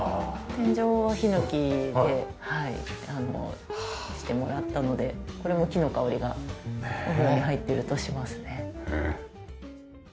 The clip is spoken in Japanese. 天井はヒノキでしてもらったのでこれも木の香りがお風呂に入っているとしますね。